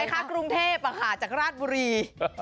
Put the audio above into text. กรุงเทพจากราชบุรี